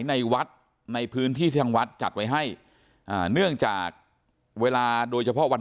ในวัดในพื้นที่ที่ทางวัดจัดไว้ให้อ่าเนื่องจากเวลาโดยเฉพาะวัน